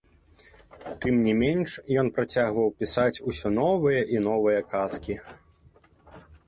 Тым не менш ён працягваў пісаць усё новыя і новыя казкі.